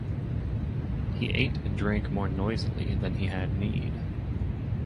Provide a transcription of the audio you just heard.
He ate and drank more noisily than he had need.